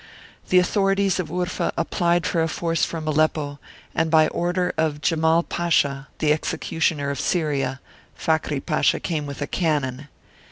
The authorities of Urfa applied for a force from Aleppo, and by order of Jemal Pasha the execu tioner of Syria Fakhry Pasha came with cannon.